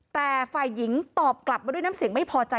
แต่ฝ่ายหญิงตอบกลับมาด้วยน้ำเสียงไม่พอใจ